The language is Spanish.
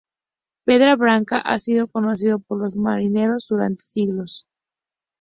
Pedra Branca ha sido conocido por los marineros durante siglos.